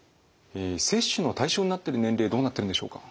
接種の対象になってる年齢どうなってるんでしょうか？